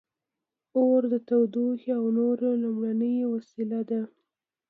• اور د تودوخې او نور لومړنۍ وسیله وه.